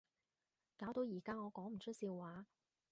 搞到而家我講唔出笑話